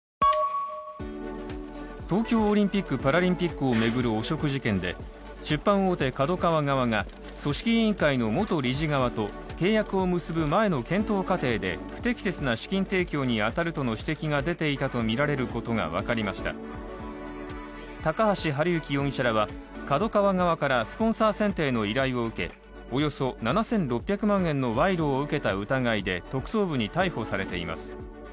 東京オリンピック・パラリンピックを巡る汚職事件で出版大手・ＫＡＤＯＫＡＷＡ側が組織委員会の元理事側と契約を結ぶ前の検討過程で不適切な資金提供に当たるとの指摘が出ていたとみられることが分かりました高橋治之容疑者らは、ＫＡＤＯＫＡＷＡ側からスポンサー選定の依頼を受けおよそ７６００万円の賄賂を受けた疑いで特捜部に逮捕されています。